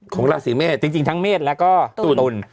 ของราศิเมตรจริงทั้งเมตรแล้วก็ตุล